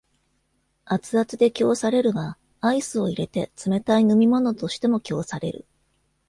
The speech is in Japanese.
熱々で供されるが、アイスを入れて冷たい飲み物としても供される。